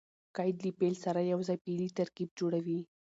قید له فعل سره یوځای فعلي ترکیب جوړوي.